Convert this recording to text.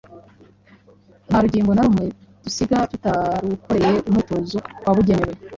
Nta rugingo na rumwe dusiga tutarukoreye umwitozo wabugenewe.